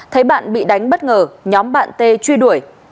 thấy bạn bị đánh bất ngờ nhóm bạn tê truy đuổi